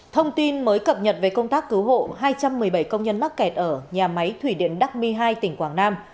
thông tin mới cập nhật về công tác cứu hộ hai trăm một mươi bảy công nhân mắc kẹt ở nhà máy thủy điện đắc mi hai tỉnh quảng nam